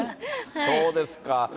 そうですか。